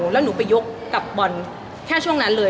แล้วหนูไปยกกับบอลแค่ช่วงนั้นเลย